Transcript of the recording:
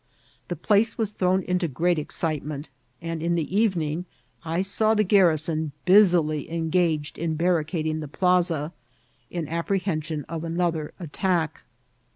The place was thrown into great excitement, and in the evening I saw the garrison busily engaged in barricading the plaza, in apprehension of another attack.